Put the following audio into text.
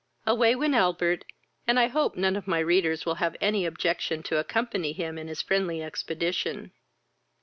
Away went Albert, and I hope none of my readers will have any objection to accompany him in his friendly expedition.